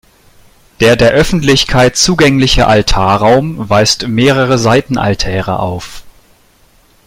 Der der Öffentlichkeit zugängliche Altarraum weist mehrere Seitenaltäre auf.